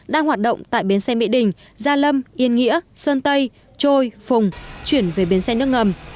đang hoạt động tại bến xe mỹ đình gia lâm yên nghĩa sơn tây trôi phùng chuyển về bến xe nước ngầm